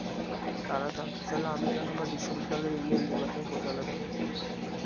তারা জানতে চাইল আমি কেন আমার বিশ্ববিদ্যালয় ই-মেইল নির্বাচনের প্রচারণায় ব্যবহার করলাম।